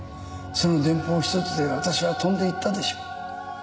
その電報ひとつで私は飛んで行ったでしょう。